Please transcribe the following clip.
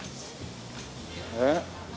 えっ？